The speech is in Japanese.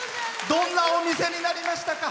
どんなお店になりましたか？